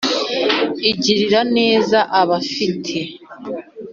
Igirira neza abafite